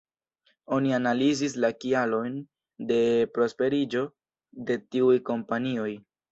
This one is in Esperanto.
Oni analizis la kialojn de la prosperiĝo de tiuj kompanioj.